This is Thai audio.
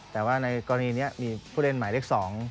แต่ว่าในกรณีนี้มีผู้เล่นหมายเลข๒